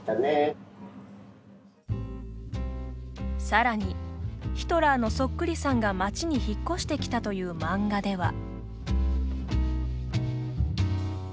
さらにヒトラーのそっくりさんが町に引っ越してきたという漫画では。